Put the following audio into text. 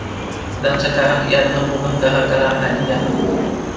Dan sekarang ia terbunuh gara-gara hadiah!